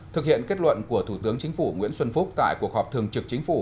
thực hiện kết luận của thủ tướng chính phủ nguyễn xuân phúc tại cuộc họp thường trực chính phủ